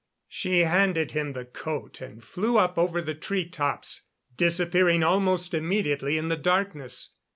She handed him the coat and flew up over the treetops, disappearing almost immediately in the darkness.